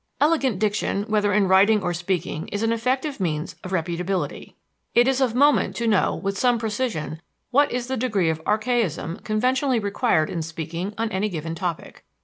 Elegant diction, whether in writing or speaking, is an effective means of reputability. It is of moment to know with some precision what is the degree of archaism conventionally required in speaking on any given topic.